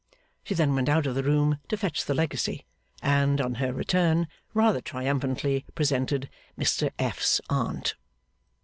She then went out of the room to fetch the legacy, and, on her return, rather triumphantly presented 'Mr F.'s Aunt.